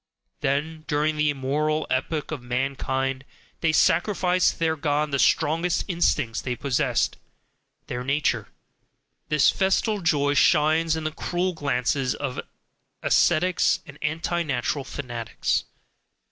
Then, during the moral epoch of mankind, they sacrificed to their God the strongest instincts they possessed, their "nature"; THIS festal joy shines in the cruel glances of ascetics and "anti natural" fanatics.